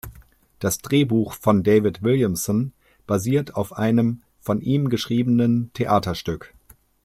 Das Drehbuch von David Williamson basiert auf einem von ihm geschriebenen Theaterstück.